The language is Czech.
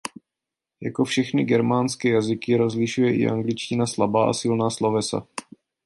Jako všechny germánské jazyky rozlišuje i angličtina slabá a silná slovesa.